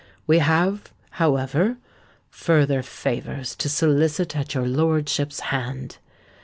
We have, however, further favours to solicit at your lordship's hand.